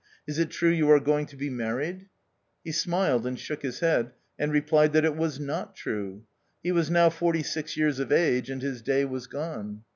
" Is it true you are going to be married ?" He smiled and shook his head, and replied that it was not true. He was now forty six years of age, and his day was gone.